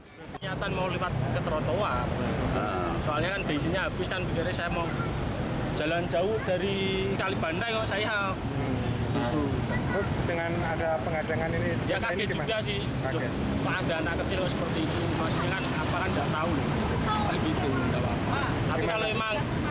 kegiatan mau lipat ke trotoar soalnya kan beisinya habis kan berarti saya mau jalan jauh dari kalibanda kok saya